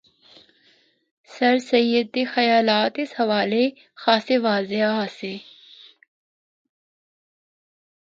سرسید دے خیالات اس حوالے خاصے واضح آسے۔